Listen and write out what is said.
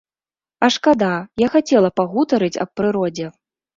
А шкада, я хацела пагутарыць аб прыродзе.